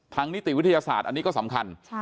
นิติวิทยาศาสตร์อันนี้ก็สำคัญ